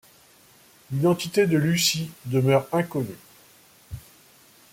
L'identité de Lucy demeure inconnue.